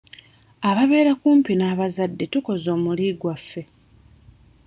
Ababeera okumpi n'abazadde tukoze omuli gwaffe.